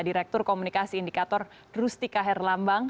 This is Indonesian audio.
direktur komunikasi indikator rustika herlambang